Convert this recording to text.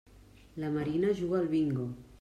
La Marina juga al bingo.